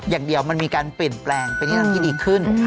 อย่างเดียวมันมีการเปลี่ยนแปลงไปในทางที่ดีขึ้น